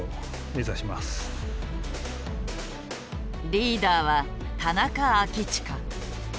リーダーは田中章愛。